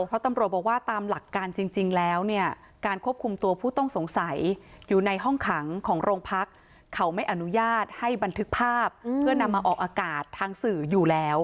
เพราะตำรวจบอกว่าตามหลักการจริงแล้วเนี่ยการควบคุมตัวผู้ต้องสงสัยอยู่ในห้องขังของโรงพักเขาไม่อนุญาตให้บันทึกภาพเพื่อนำมาออกอากาศทางสื่ออยู่แล้ว